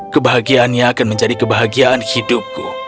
kebahagiaannya akan menjadi kebahagiaan hidupku